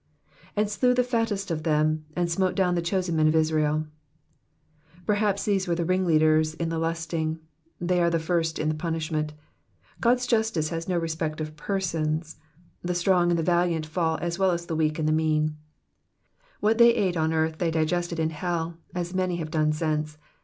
'''And dew the Jattest of them, and smote down the chosen men of Israel/*^ Perhaps these Digitized by VjOOQIC PSALM THE SEVENTY EIGHTH. 441 were the ringleaders in the lusting ; they are first in the punishment. God's justice has nu respect of persons, the strong and the valiant fall as well as the weak and the mean. What they ate on earth they digested in hell, as many liave done since.